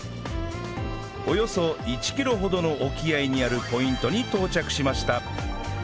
およそ１キロほどの沖合にあるポイントに到着しました